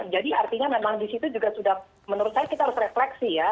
jadi artinya memang disitu juga sudah menurut saya kita harus refleksi ya